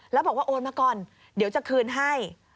แล้วบอกว่าโอนมาก่อนเดี๋ยวจะคืนให้